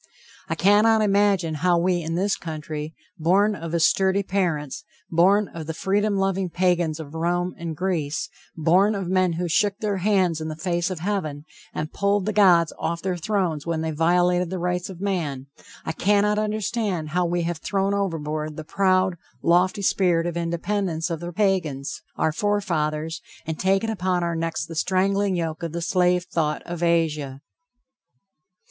I cannot imagine how we in this country, born of sturdy parents, born of the freedom loving Pagans of Rome and Greece, born of men who shook their hands in the face of heaven, and pulled the gods off their thrones when they violated the rights of man, I cannot understand how we have thrown overboard the proud, lofty spirit of independence of the Pagans, our forefathers, and taken upon our necks the strangling yoke of the slave thought of Asia!